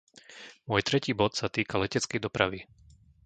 Môj tretí bod sa týka leteckej dopravy.